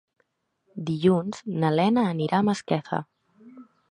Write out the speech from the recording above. Dilluns na Lena anirà a Masquefa.